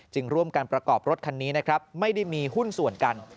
จึงร่วมกันประกอบรถคันนี้ไม่ได้มีหุ้นส่วนกัน